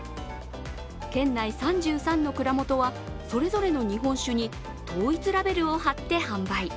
県内３３の蔵元は、それぞれの日本酒に統一ラベルを貼って販売。